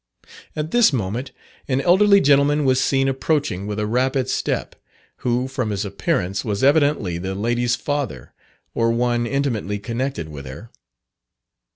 At this moment, an elderly gentleman was seen approaching with a rapid step, who from his appearance was evidently the lady's father, or one intimately connected with her.